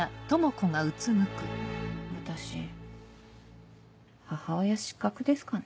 私母親失格ですかね。